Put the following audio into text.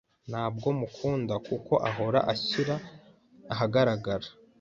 Ntabwo mukunda, kuko ahora ashyira ahagaragara.